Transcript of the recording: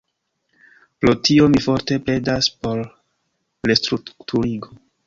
Pro tio mi forte pledas por restrukturigo.